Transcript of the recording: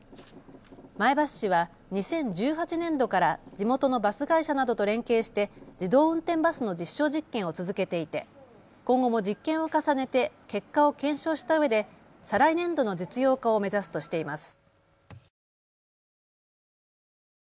前橋市は２０１８年度から地元のバス会社などと連携して自動運転バスの実証実験を続けていて今後も実験を重ねて結果を検証したうえで再来年度の実用化を目指すとしています。